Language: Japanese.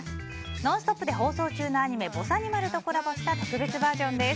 「ノンストップ！」で放送中のアニメ「ぼさにまる」とコラボした特別バージョンです。